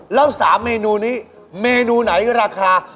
แล้ว๓เมนูนี้เมนูไหนราคา